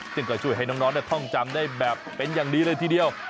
ซึ่งก็ช่วยให้น้องท่องจำได้แบบเป็นอย่างดีเลยทีเดียว